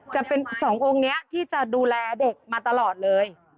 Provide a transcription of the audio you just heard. จะเป็นสององค์นี้ที่จะดูแลเด็กมาตลอดเลย